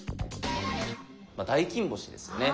大金星ですよね。